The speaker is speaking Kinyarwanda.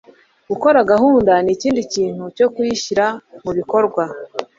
Gukora gahunda nikindi kintu cyo kuyishyira mubikorwa